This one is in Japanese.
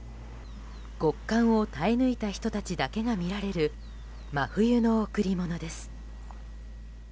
極寒を耐え抜いた人たちだけが見られる真冬の贈り物です。